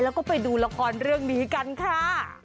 แล้วก็ไปดูละครเรื่องนี้กันค่ะ